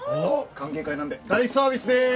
歓迎会なんで大サービスでーす！